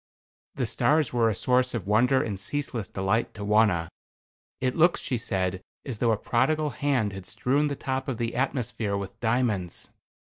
The stars were a source of wonder and ceaseless delight to Wauna. "It looks," she said, "as though a prodigal hand had strewn the top of the atmosphere with diamonds."